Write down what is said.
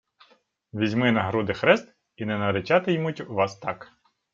— Візьми на груди хрест — і не наричати-ймуть вас так.